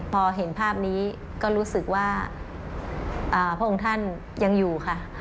พอเห็นภาพนี้ก็รู้สึกว่าพระองค์ท่านยังอยู่ค่ะ